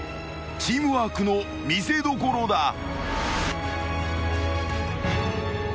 ［チームワークの見せどころだ］